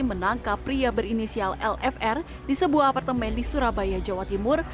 menangkap pria berinisial lfr di sebuah apartemen di surabaya jawa timur